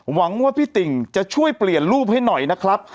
หวังว่าพี่ติ่งจะช่วยเปลี่ยนรูปให้หน่อยนะครับ